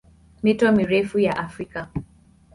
Mito mirefu ya Afrika